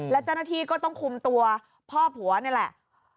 และเจ้าหน้าที่ก็ต้องคุมตัวพ่อผัวนี่แหละ